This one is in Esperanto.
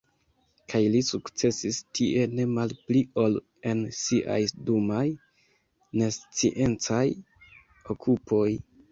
Kaj li sukcesis tie ne malpli ol en siaj dumaj nesciencaj okupoj.